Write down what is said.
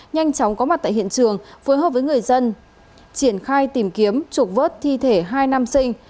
nhanh chóng có mặt tại hiện trường phối hợp với người dân triển khai tìm kiếm trục vớt thi thể hai nam sinh